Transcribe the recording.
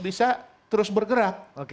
bisa terus bergerak